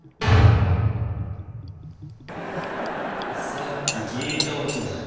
さっき聞いた音だよ。